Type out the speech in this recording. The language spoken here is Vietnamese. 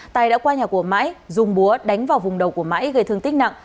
tài đã qua nhà của mãi dùng búa đánh vào vùng đầu của mãi gây thương tích nặng